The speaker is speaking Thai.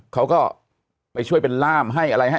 เขาก็ไปช่วยเป็นล่ามให้อะไรให้